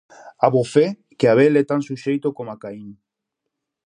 Abofé que Abel é tan suxeito coma Caín.